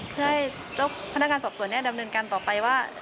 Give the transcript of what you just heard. เพื่อให้เจ้าพนักงานสอบสวนดำเนินการต่อไปว่า